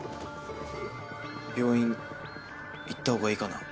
病院行ったほうがいいかな？